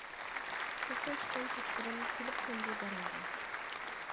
كۆكتە ئۇچقان كەپتىرىم، كېلىپ قوندى باراڭغا.